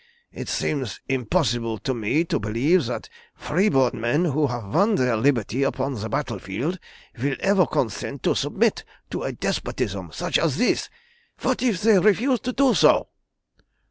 It seems impossible to me to believe that free born men who have won their liberty upon the battlefield will ever consent to submit to a despotism such as this. What if they refuse to do so?"